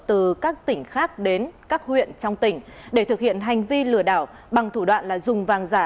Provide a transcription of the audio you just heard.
từ các tỉnh khác đến các huyện trong tỉnh để thực hiện hành vi lừa đảo bằng thủ đoạn là dùng vàng giả